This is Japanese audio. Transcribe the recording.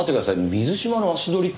水島の足取りって。